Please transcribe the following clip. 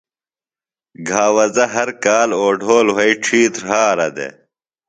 گھاوزہ ہر کال اوڈھول وھئی ڇھیتر ہارہ دے۔